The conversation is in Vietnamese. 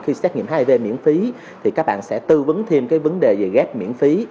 khi xét nghiệm hiv miễn phí thì các bạn sẽ tư vấn thêm cái vấn đề về ghép miễn phí